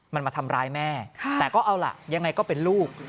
มันมาทำร้ายแม่แต่ก็เอาล่ะยังไงก็เป็นลูก